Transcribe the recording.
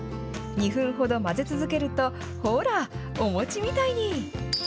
２分ほど混ぜ続けると、ほら、お餅みたいに。